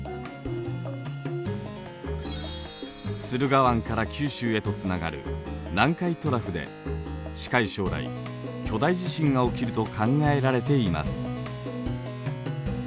駿河湾から九州へとつながる「南海トラフ」で近い将来巨大地震が起きると考えられています。